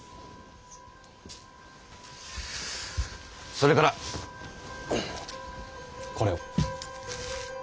それからこれを。